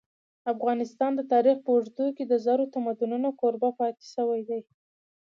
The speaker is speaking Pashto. افغانستان د تاریخ په اوږدو کي د زرو تمدنونو کوربه پاته سوی دی.